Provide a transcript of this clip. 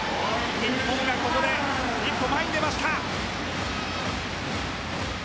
日本がここで一歩前に出ました。